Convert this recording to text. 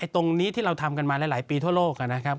ตรงนี้ที่เราทำกันมาหลายปีทั่วโลกนะครับ